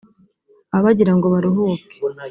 baba bagirango baruhuke